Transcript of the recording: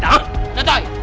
ya ampun ya ampun